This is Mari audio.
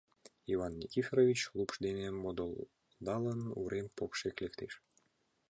Иван Никифорович, лупш дене модылдалын, урем покшек лектеш.